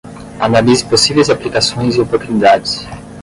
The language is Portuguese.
Analise possíveis aplicações e oportunidades